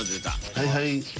はいはい。